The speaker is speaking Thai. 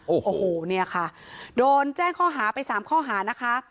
โอ้โหเนี่ยค่ะโดนแจ้งข้อหาไปสามข้อหานะคะ